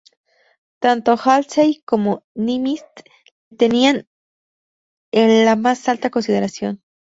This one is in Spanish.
Tanto Halsey como Nimitz le tenían en la más alta consideración.